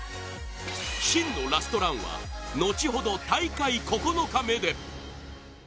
真のラストランは後ほど大会９日目で。